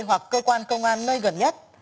hoặc cơ quan công an nơi gần nhất